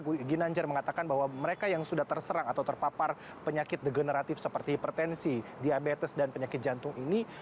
pak ginanjar mengatakan bahwa mereka yang sudah terserang atau terpapar penyakit degeneratif seperti hipertensi diabetes dan penyakit jantung ini